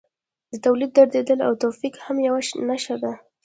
د تولید درېدل او توقف هم یوه نښه ده